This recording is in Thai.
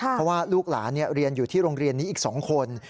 เพราะว่าลูกหลานเรียนอยู่ที่โรงเรียนนี้อีก๒คน